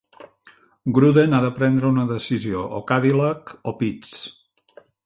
Gruden ha de prendre una decisió, o Cadillac o pits.